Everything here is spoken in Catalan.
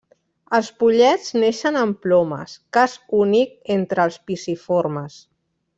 Els pollets neixen amb plomes, cas únic entre els piciformes.